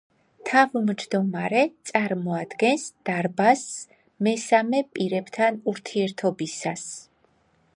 თავმჯდომარე წარმოადგენს „დარბაზს“ მესამე პირებთან ურთიერთობისას.